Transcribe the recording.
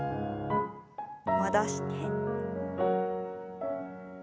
戻して。